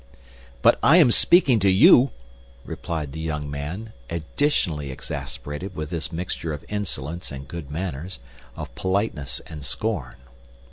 "But I am speaking to you!" replied the young man, additionally exasperated with this mixture of insolence and good manners, of politeness and scorn.